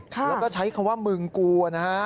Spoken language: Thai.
แล้วก็ใช้คำว่ามึงกูนะฮะ